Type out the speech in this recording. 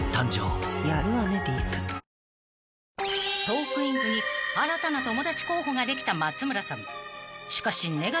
［トークィーンズに新たな友達候補ができた松村さん］